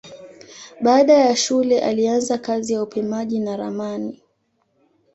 Baada ya shule alianza kazi ya upimaji na ramani.